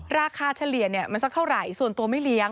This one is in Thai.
เฉลี่ยเนี่ยมันสักเท่าไหร่ส่วนตัวไม่เลี้ยง